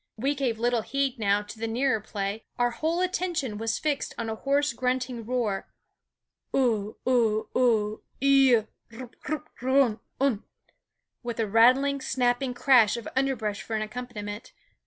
We gave little heed now to the nearer play; our whole attention was fixed on a hoarse, grunting roar Uh, uh, uh! eeeyuh! r r r runh unh! with a rattling, snapping crash of underbrush for an accompaniment.